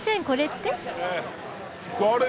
これって？